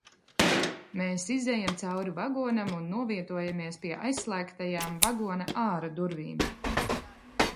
Mēs izejam cauri vagonam un novietojamies pie aizslēgtajām vagona āra durvīm.